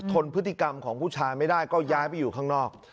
ทนพฤติกรรมของผู้ชายไม่ได้ก็ย้ายไปอยู่ข้างนอก